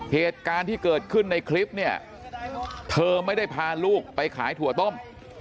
เหตุการณ์ที่เกิดขึ้นในคลิปเนี่ยเธอไม่ได้พาลูกไปขายถั่วต้ม